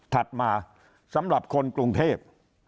ถัดมาสำหรับคนกรุงเทพ